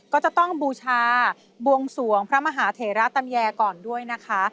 ก็จะต้องบูชาบวงสวงพระมหาเถระตำแยก่อนด้วยนะคะ